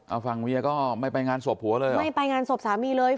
เอาฝั่งเวียก็ไม่ไปงานสวบผัวเลยอ่ะไม่ไปงานสวบสามีเลย